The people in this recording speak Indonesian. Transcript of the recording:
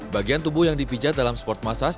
bagian tubuh yang dipijat dalam spot massage